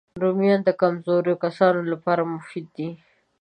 رومیان د کمزوریو کسانو لپاره مفید دي